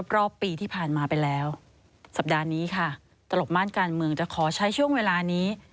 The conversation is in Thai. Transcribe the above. รอบปีที่ผ่านมาไปแล้วสัปดาห์นี้ค่ะตลบม่านการเมืองจะขอใช้ช่วงเวลานี้